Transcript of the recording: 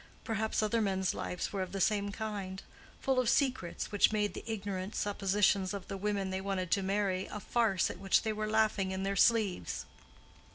Perhaps other men's lives were of the same kind—full of secrets which made the ignorant suppositions of the women they wanted to marry a farce at which they were laughing in their sleeves.